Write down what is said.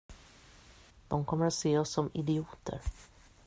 De kommer att se oss som idioter!